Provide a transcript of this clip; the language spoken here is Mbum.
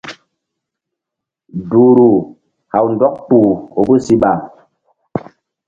Duhru haw ndɔk kpuh vbu siɓa.